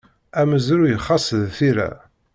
Amezruy xas d tira.